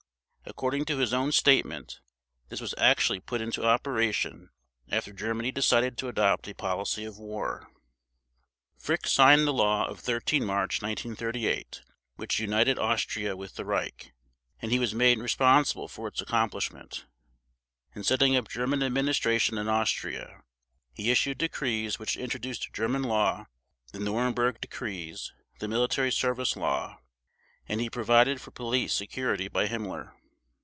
According to his own statement, this was actually put into operation after Germany decided to adopt a policy of war. Frick signed the law of 13 March 1938 which united Austria with the Reich, and he was made responsible for its accomplishment. In setting up German administration in Austria, he issued decrees which introduced German law, the Nuremberg decrees, the Military Service Law, and he provided for police security by Himmler.